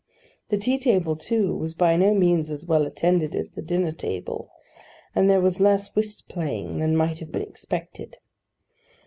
The tea table, too, was by no means as well attended as the dinner table; and there was less whist playing than might have been expected.